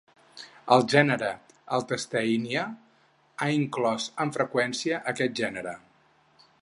"El gènere "Altensteinia" ha inclòs amb freqüència aquest gènere".